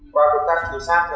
qua công tác trinh sát